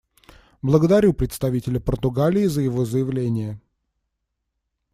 Благодарю представителя Португалии за его заявление.